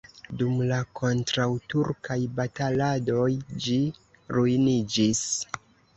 Dum la kontraŭturkaj bataladoj ĝi ruiniĝis.